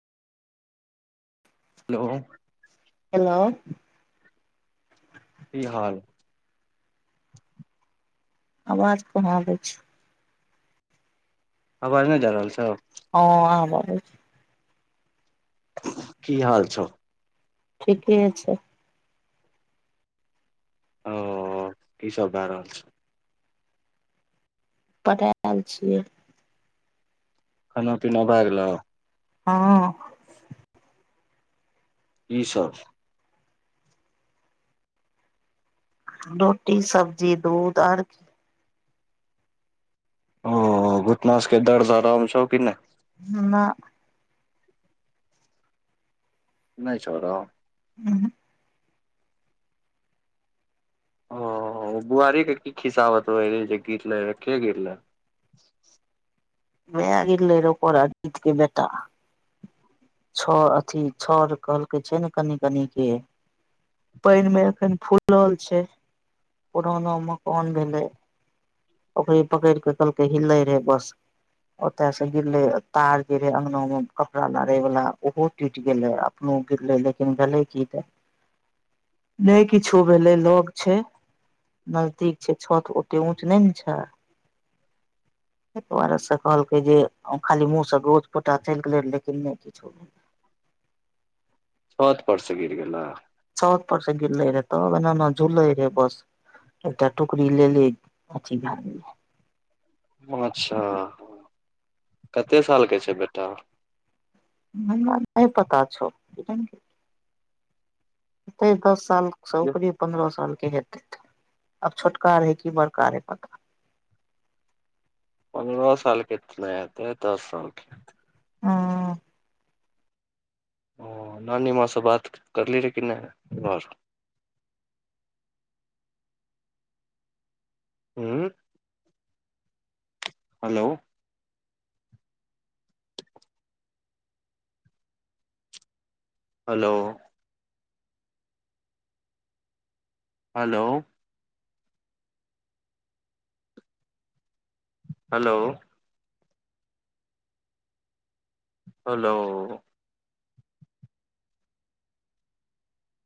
Hello. Hello. की हाल आवाज कहाँ आबै छै, आवाज नहि जा रहल छ हं आ बइया की हाल छौ ठीके छै। ओ ई सब भै रहल छै। पढ़ आयल छियै खाना पीना भए गेलोउ। हँ। किसभ [unintelligible] रोटी सब्जी दूध आर ओ घुटनासब के दर्द आराम छौ कि नहि। नह [unintelligible] नहि छो आराम ऊहुं [unintelligible] ओ बुआरी के की खिसावतवे रहि जे गिरले के गिरले [unintelligible] मै गिरलै रउ पोरा जदके बेटा [unintelligible] छर अथी छओर कहलकै छै ने कनि कनि के पानि में एखन फूलल छै पुराना मकान भेले ओकरी पकड़ि कऽ' कहलकै हिलै रहै बस ओते से गिरले तार जे रहे अंगनो मे कपड़ा लारे वाला ओहो टूट गेले। गरले लेकिन गले की तै [unintelligible] नहि किछु भेलै लोक छै नजदीक छै छत ओतेक ऊँच नहि ने छै। [unintelligible] ताहि दुआरे से कहलकै जे खाली मुँह सँ गोज पोटा चलि गेलै लेकिन नहि किछो छत पर से गिर गेला। छत पर से गीर लै रहे त एना एना झूलै रहै बस। एकटा टुकरी लेलेे अथी अच्छा, कते साल के छै बेटा? हमरा नहि पता छल। हेतै दस साल स उपरे, पन्द्रह साल के हेतै। आब छोटका रहै कि बड़का रहै पता नै। पन्द्रह सालके छलै हेएत नै दस सालके। हँ ओ नानीमाँ सँ बात करली रहै कि नहि उं हेलो हेलो हेलो हेलो हलो